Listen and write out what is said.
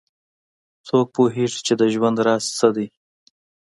څوک پوهیږي چې د ژوند راز څه ده